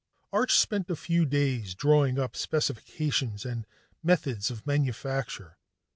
Arch spent a few days drawing up specifications and methods of manufacture.